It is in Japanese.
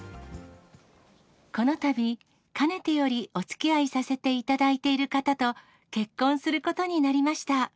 このたび、かねてよりおつきあいさせていただいている方と結婚することになりました。